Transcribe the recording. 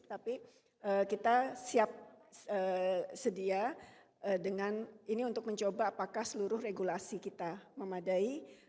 tapi kita siap sedia dengan ini untuk mencoba apakah seluruh regulasi kita memadai